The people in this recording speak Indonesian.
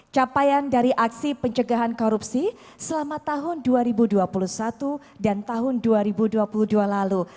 capaian dari aksi pencegahan korupsi selama tahun dua ribu dua puluh satu dan tahun dua ribu dua puluh dua lalu